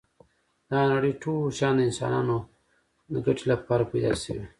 دا نړی ټول شیان د انسانانو ګټی لپاره پيدا شوی